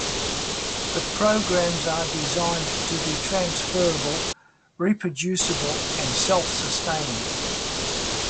The programs are designed to be transferable, reproducible and self-sustaining.